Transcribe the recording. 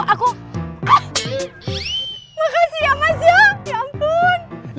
makasih ya mas ya ya ampun